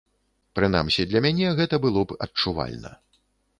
Прынамсі, для мяне гэта было б адчувальна.